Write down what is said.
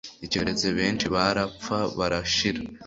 icyorezo benshi barapfa barashira